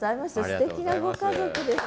すてきなご家族です